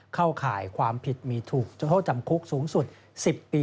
เข้าข่ายความผิดมีถูกโทษจำคุกสูงสุด๑๐ปี